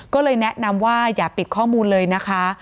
ก็เลยแนะนำว่าอย่าปิดข้อมูลเลยนะคะ